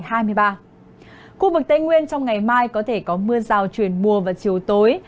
khu vực tây nguyên trong ngày mai có thể có mưa rào truyền mùa và chiều tối